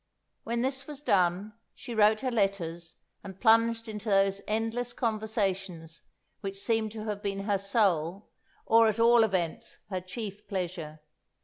When this was done, she wrote her letters and plunged into those endless conversations which seem to have been her sole, or, at all events, her chief pleasure.